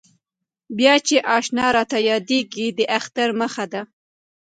بیا چې اشنا راته یادېږي د اختر مخه ده.